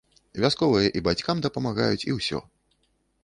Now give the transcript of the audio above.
Вясковыя і бацькам дапамагаюць, і ўсё.